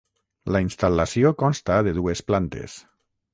La instal·lació consta de dues plantes.